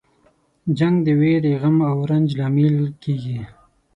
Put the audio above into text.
جنګ د ویرې، غم او رنج لامل کیږي.